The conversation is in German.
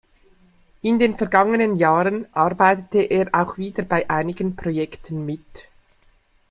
In den vergangenen Jahren arbeitete er auch wieder bei einigen Projekten mit.